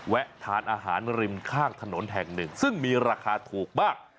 ทานอาหารริมข้างถนนแห่งหนึ่งซึ่งมีราคาถูกมาก